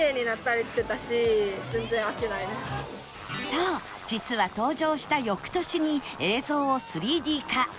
そう実は登場した翌年に映像を ３Ｄ 化